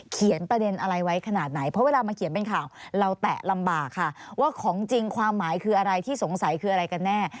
ประเด็นอะไรไว้ขนาดไหนเพราะเวลามาเขียนเป็นข่าวเราแตะลำบากค่ะว่าของจริงความหมายคืออะไรที่สงสัยคืออะไรกันแน่